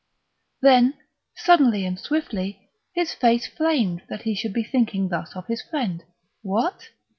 Then, suddenly and swiftly, his face flamed that he should be thinking thus of his friend. What!